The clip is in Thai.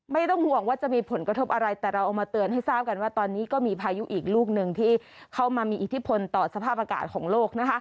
ไม่ต้องห่วงว่าจะมีผลกระทบอะไรแต่เราเอามาเตือนให้ทราบกันว่าตอนนี้ก็มีพายุอีกลูกหนึ่งที่เข้ามามีอิทธิพลต่อสภาพอากาศของโลกนะคะ